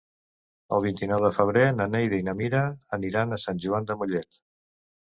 El vint-i-nou de febrer na Neida i na Mira aniran a Sant Joan de Mollet.